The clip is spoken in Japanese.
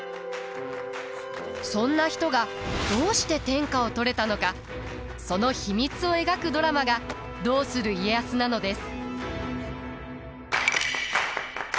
そんな人がどうして天下を取れたのかその秘密を描くドラマが「どうする家康」なのです。